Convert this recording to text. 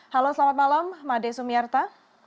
halo selamat malam made sumiarta